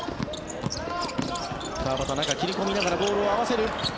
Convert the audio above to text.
川端、中切り込みながらボールを合わせる。